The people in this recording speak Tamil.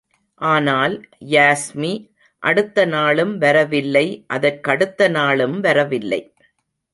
ஆனால், யாஸ்மி, அடுத்த நாளும் வரவில்லை அதற்கடுத்த நாளும் வரவில்லை!